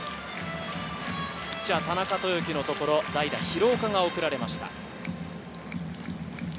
ピッチャー・田中豊樹のところ、代打・廣岡が送られました。